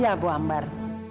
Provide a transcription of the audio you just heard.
ya bu ambar